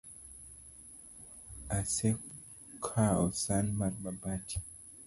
Asekawo san mar mabati